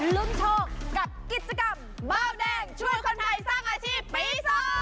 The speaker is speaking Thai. ลุ้นโชคกับกิจกรรมบ้าวแดงช่วยคนไทยสร้างอาชีพปี๒